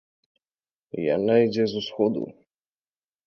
Яна ідзе з усходу.